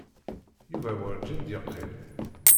Yuba werǧin d-yeqqil.